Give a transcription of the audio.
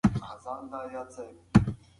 هغه مهال چې زغم وي، تاوتریخوالی به ځای ونه نیسي.